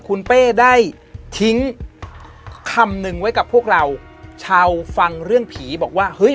คุณเป้ได้ทิ้งคำหนึ่งไว้กับพวกเราชาวฟังเรื่องผีบอกว่าเฮ้ย